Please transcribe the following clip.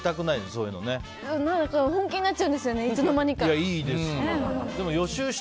本気になっちゃうんですよねいいですよ。